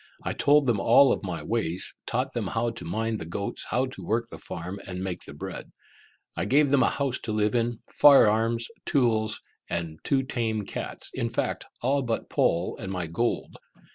I told them of all my ways, taught them how to mind the goats, how to work the farm, and make the bread. I gave them a house to live in, fire arms, tools, and my two tame cats, in fact, all but Poll and my gold.